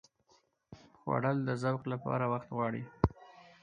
خوړل د ذوق لپاره وخت غواړي